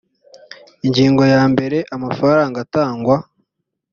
ingingo ya mbere amafaranga atangwa